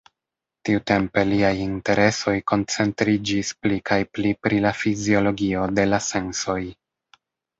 Tiutempe liaj interesoj koncentriĝis pli kaj pli pri la fiziologio de la sensoj.